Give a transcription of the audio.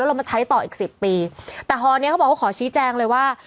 แล้วเรามาใช้ต่ออีก๑๐ปีแต่ฮนี้เขาบอกว่าขอชี้แจ้งเลยว่า